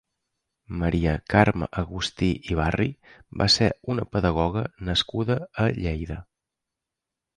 Maria Carme Agustí i Barri va ser una pedagoga nascuda a Lleida.